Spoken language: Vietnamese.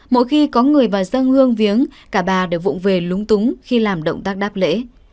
mỗi khi có người vào dân hương viếng cả bà đều vụn về lúng túng khi làm động tác đáp lễ